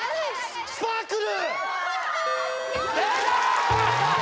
「スパークル」正解！